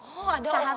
oh ada orang orang